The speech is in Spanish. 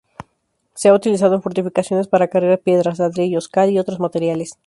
Se ha utilizado en fortificaciones para acarrear piedras, ladrillos, cal y otros materiales.